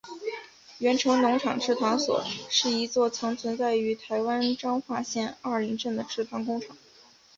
源成农场制糖所是一座曾存在于台湾彰化县二林镇的制糖工厂。